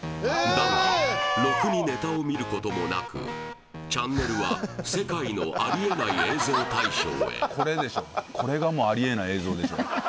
だがろくにネタを見ることもなくチャンネルは「世界のありえない映像大賞」へこれがもうありえない映像でしょ